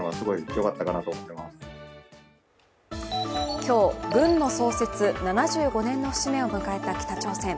今日、軍の創設７５年の節目を迎えた北朝鮮。